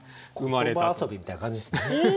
言葉遊びみたいな感じですよね。